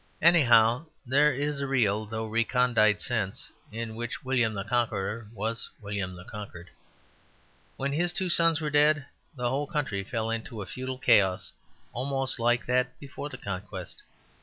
Anyhow, there is a real though recondite sense in which William the Conqueror was William the Conquered. When his two sons were dead, the whole country fell into a feudal chaos almost like that before the Conquest.